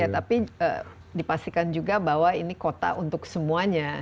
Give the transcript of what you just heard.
tapi dipastikan juga bahwa ini kota untuk semuanya